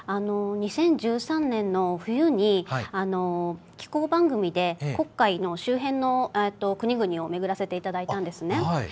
２０１３年の冬に紀行番組で黒海の周辺の国々を巡らせていただいたんですね。